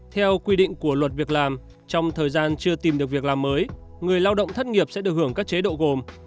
theo quy định của luật việc làm trong thời gian chưa tìm được việc làm mới người lao động thất nghiệp sẽ được hưởng các chế độ gồm